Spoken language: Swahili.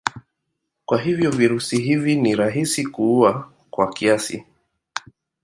Kwa hivyo virusi hivi ni rahisi kuua kwa kiasi.